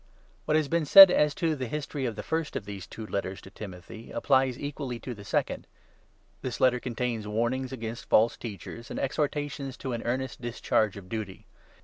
] WHAT has been said as to the history of the first of these two " Letters to Timothy" applies equally to the second. This Letter contains warnings against false Teachers, and exhortations to an earnest discharge of duty.